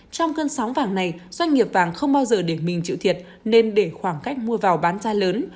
trong cơn sóng vàng này doanh nghiệp vàng không bao giờ để mình chịu thiệt nên để khoảng cách mua vào bán ra lớn